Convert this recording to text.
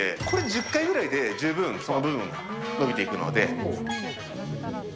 これ、１０回ぐらいで十分、その部分伸びていくので。